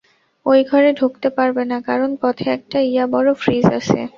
ঐ ঘরে ঢুকতে পারবে না, কারণ পথে একটা ইয়া বড়ো ফ্রিজ আছে।